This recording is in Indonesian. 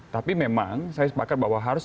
tapi memang saya sepakat bahwa harus